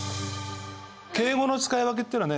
敬語の使い分けってのはね